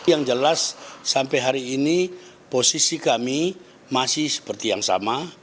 yang jelas sampai hari ini posisi kami masih seperti yang sama